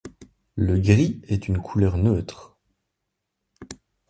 Le gris est une couleur neutre.